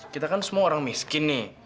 kita kan semua orang miskin nih